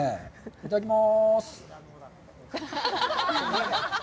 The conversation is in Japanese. いただきます。